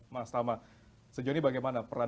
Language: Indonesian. mas tama sejauh ini bagaimana peran